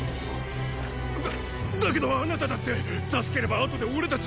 だだけどあなただって助ければ後で俺たちのことを。